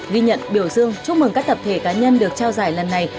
ghi nhận biểu dương chúc mừng các tập thể cá nhân được trao giải lần này